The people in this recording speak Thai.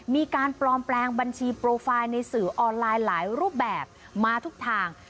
มีการปลอมแปลงบัญชีโปรไฟล์ในสื่อออนไลน์หลายรูปแบบมาทุกทาง